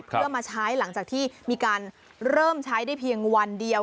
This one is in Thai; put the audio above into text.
เพื่อมาใช้หลังจากที่มีการเริ่มใช้ได้เพียงวันเดียว